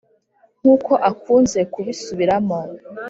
nkuko akunze kubisubiramo .